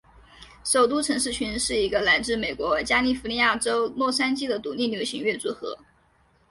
首都城市群是一个来自美国加利福尼亚州洛杉矶的独立流行乐组合。